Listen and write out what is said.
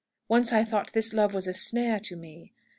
Once I thought this love was a snare to me.